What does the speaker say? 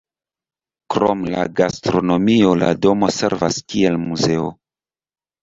Krom al la gastronomio la domo servas kiel muzeo.